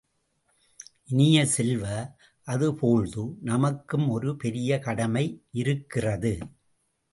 இனிய செல்வ, அதேபோழ்து நமக்கும் ஒரு பெரிய கடமை இருக்கிறது.